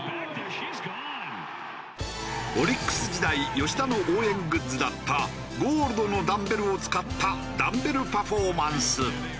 オリックス時代吉田の応援グッズだったゴールドのダンベルを使ったダンベルパフォーマンス。